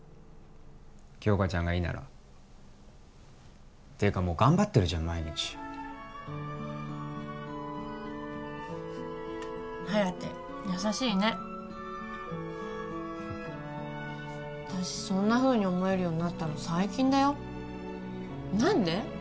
杏花ちゃんがいいならていうかもう頑張ってるじゃん毎日颯優しいね私そんなふうに思えるようになったの最近だよ何で？